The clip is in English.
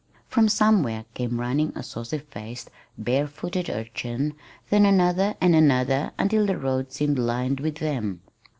From somewhere came running a saucy faced, barefooted urchin, then another and another, until the road seemed lined with them.